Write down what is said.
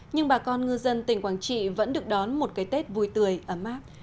nhưng bà con ngư dân tỉnh quảng trị vẫn được đón một cái tết vui tươi ấm áp